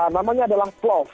namanya adalah plov